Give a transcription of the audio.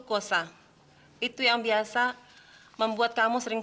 you bukannya mau sedikit selesai